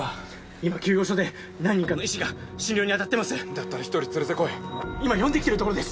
今救護所で何人かの医師が診療に当たってますだったら１人連れてこい今呼んできてるところです